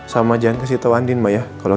sama jangan kasih tau andin mbak ya